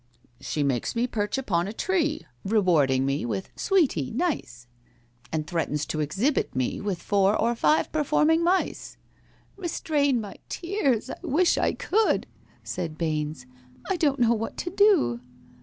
"She makes me perch upon a tree, Rewarding me with 'Sweety—nice!' And threatens to exhibit me With four or five performing mice." "Restrain my tears I wish I could" (Said BAINES), "I don't know what to do."